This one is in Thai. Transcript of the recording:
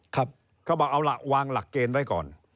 เขาบอกเอาล่ะวางหลักเกณฑ์ไว้ก่อน